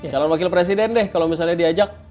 calon wakil presiden deh kalau misalnya diajak